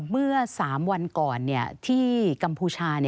เมื่อ๓วันก่อนที่กัมพูชา